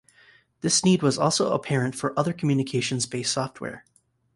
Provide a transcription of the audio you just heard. This need was also apparent for other communications based software.